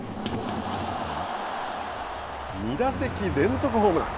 ２打席連続ホームラン。